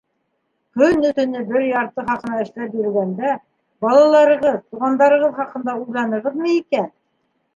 Көнө-төнө бер ярты хаҡына эшләп йөрөгәндә балаларығыҙ, туғандарығыҙ хаҡында уйланығыҙмы икән?